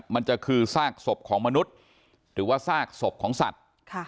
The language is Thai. มันจะคือซากศพของมนุษย์หรือว่าซากศพของสัตว์